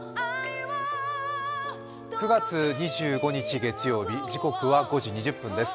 ９月２５日月曜日、時刻は５時２０分です。